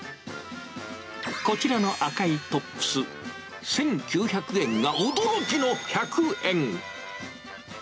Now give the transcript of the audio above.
こちらの赤いトップス、１９００円が驚きの１００円。